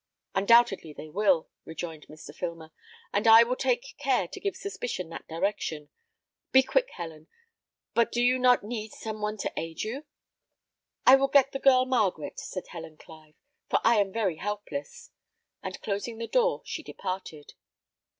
"Undoubtedly they will," rejoined Mr. Filmer; "and I will take care to give suspicion that direction. Be quick, Helen: but do you not need some one to aid you." "I will get the girl Margaret," said Helen Clive, "for I am very helpless." And closing the door, she departed.